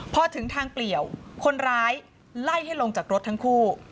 พอถึงทางเปลี่ยวคนร้ายไล่ให้ลงจากรถทั้งคู่